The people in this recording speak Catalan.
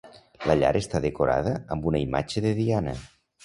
La llar està decorada amb una imatge de Diana.